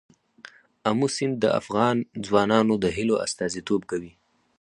آمو سیند د افغان ځوانانو د هیلو استازیتوب کوي.